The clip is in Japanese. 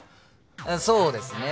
あっそうですね